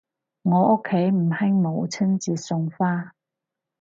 我屋企唔興母親節送花